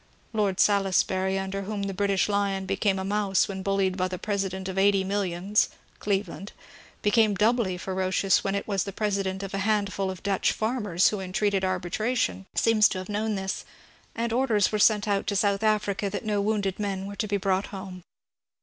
Lord Salisbury, imder whom the British lion became a mouse when bullied by the President of eighty millions (Cleve land), but became doubly ferocious when it was the President of a handful of Dutch farmers who entreated arbitration, seems to have known this, and orders were sent out to South Africa that no wounded men were to be brought home.